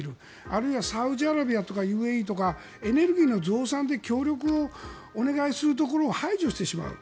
あるいはサウジアラビアとかＵＡＥとかエネルギーの増産で協力をお願いするところを排除してしまう。